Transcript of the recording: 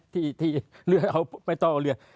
ที่เอาไปต่อเรือ